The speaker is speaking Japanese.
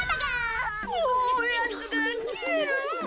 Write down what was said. おやつがきえる。